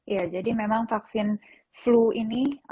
ya jadi memang vaksin flu ini